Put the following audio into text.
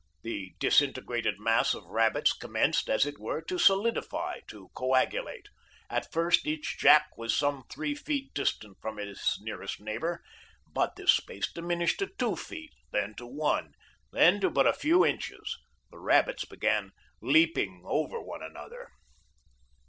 The disintegrated mass of rabbits commenced, as it were, to solidify, to coagulate. At first, each jack was some three feet distant from his nearest neighbor, but this space diminished to two feet, then to one, then to but a few inches. The rabbits began leaping over one another.